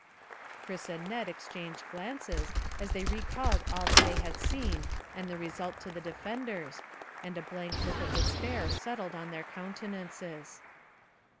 Chris and Ned exchanged glances as they recalled all that they had seen and the result to the defenders, and a blank look of despair settled in their countenances.